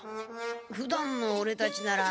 ふだんのオレたちなら。